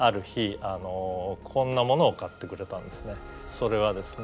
それはですね